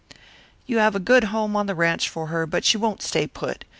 "You have a good home on the ranche for her, but she won't stay put.